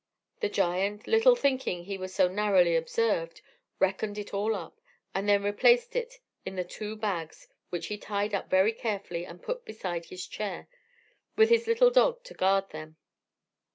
The giant, little thinking he was so narrowly observed, reckoned it all up, and then replaced it in the two bags, which he tied up very carefully and put beside his chair, with his little dog to guard them.